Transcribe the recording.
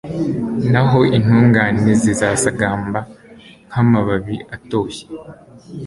naho intungane zizasagamba nk'amababi atoshye